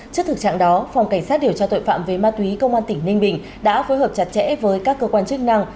trước thực trạng đó phòng cảnh sát điều tra tội phạm về ma túy công an tỉnh ninh bình đã phối hợp chặt chẽ với các cơ quan chức năng